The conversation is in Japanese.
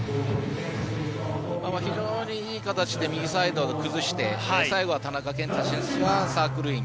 非常にいい形で右サイドを崩して、最後は田中健太がサークルイン。